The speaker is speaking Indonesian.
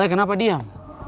ale kenapa diam